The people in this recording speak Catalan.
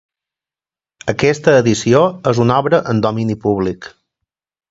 Aquesta edició és una obra en domini públic.